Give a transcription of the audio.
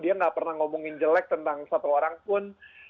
dia nggak pernah ngomongin jelek tentang satu orang pun